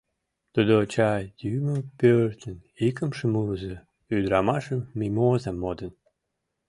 Тудо чай йӱмӧ пӧртын икымше мурызо ӱдырамашым, Мимозам, модын.